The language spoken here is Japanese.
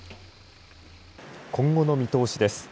今後の見通しです。